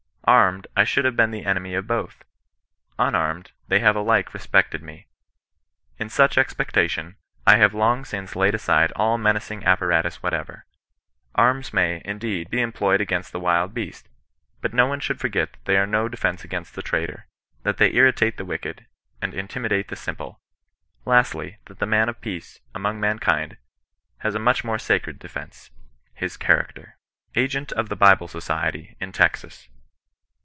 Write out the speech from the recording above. Armed, I should have been the enemy of both ; unarmed, they have alike respected me. In such expectation, I have long since laid aside all menacing apparatus whatever. Arms may, indeed, be employed against the wild beast ; bat BO one ahould forget that they axe no dofex^fi^ ^iJ^c^^KOts^ CHRISTIAN KON EESISTANOE. 109 the traitor ; that they irritate the wicked, and intimidate the simple ; lastly, that the man of peace, among man kind, has a much more sacred defence — ^his character." AGENT OP THE BIBLE SOCIETY IN TEXAS.